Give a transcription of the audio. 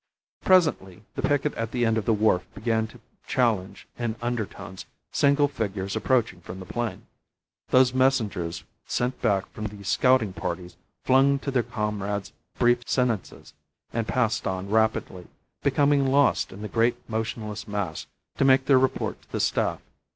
Presently the picket at the end of the wharf began to challenge in undertones single figures approaching from the plain. Those messengers sent back from the scouting parties flung to their comrades brief sentences and passed on rapidly, becoming lost in the great motionless mass, to make their report to the Staff.